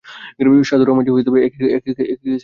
সাধু রামজি, এই কেস খারিজ করে দেই।